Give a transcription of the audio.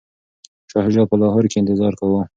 شاه شجاع په لاهور کي انتظار کاوه.